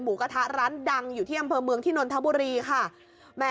หมูกระทะรันดังอยู่ในอำเภอเมืองที่นทบุรีค่ะ